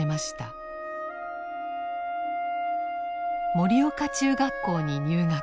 盛岡中学校に入学。